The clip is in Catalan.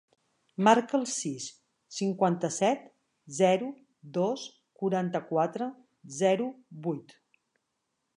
Marca el sis, cinquanta-set, zero, dos, quaranta-quatre, zero, vuit.